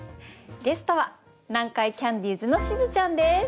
ゲストは南海キャンディーズのしずちゃんです。